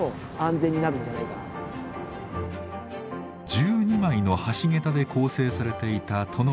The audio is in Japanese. １２枚の橋桁で構成されていた殿橋。